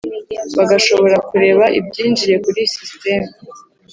Bagashobora kureba ibyinjiye kuri system